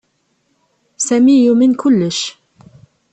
Sami yumen kullec.